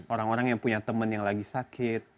orang orang yang punya teman yang lagi sakit